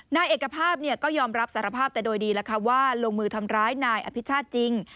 นายเอกภาพก็ยอมรับสารภาพแต่โดยดีแล้วค่ะว่าลงมือทำร้ายนายอภิชาติจริง